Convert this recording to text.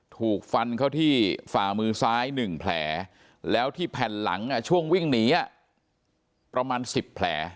ถูกฟันเข้าที่ฝ่ามือซ้าย๑แผลแล้วที่แผ่นหลังช่วงวิ่งหนีประมาณ๑๐แผล